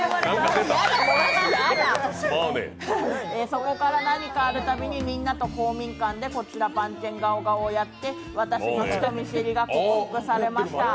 そこから何かあるたびにみんなで公民館でこちら番犬ガオガオをやって、私の人見知りが払拭されました。